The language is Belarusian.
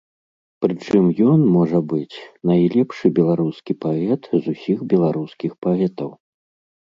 Прычым ён, можа быць, найлепшы беларускі паэт з усіх беларускіх паэтаў.